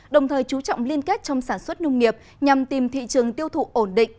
đồng thời chú trọng liên kết trong sản xuất nông nghiệp nhằm tìm thị trường tiêu thụ ổn định